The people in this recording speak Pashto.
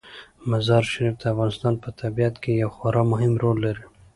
مزارشریف د افغانستان په طبیعت کې یو خورا مهم رول لري.